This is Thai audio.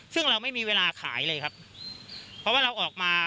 ซึ่งเราไม่มีเวลาขายเลยครับเพราะว่าเราออกมา